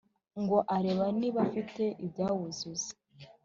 Ngo arebe niba afite ibyawuzuza